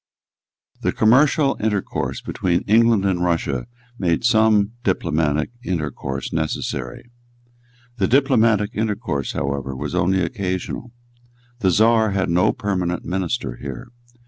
The commercial intercourse between England and Russia made some diplomatic intercourse necessary. The diplomatic intercourse however was only occasional. The Czar had no permanent minister here.